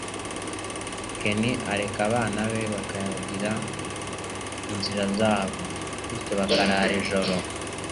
Ken areka abana be bakagira inzira zabo, bityo bakarara nijoro.